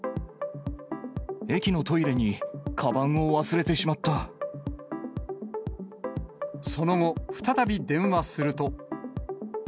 駅のトイレにかばんを忘れてその後、再び電話すると。